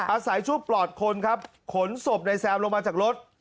อาศัยช่วงปลอดคนครับขนศพนายแซมลงมาจากรถ